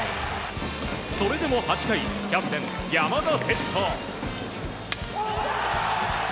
それでも８回キャプテン山田哲人。